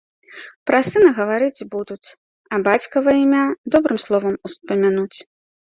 Пра сына гаварыць будуць, а бацькава імя добрым словам успамянуць.